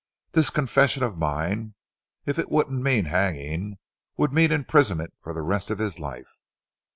This confession of mine, if it wouldn't mean hanging, would mean imprisonment for the rest of his life.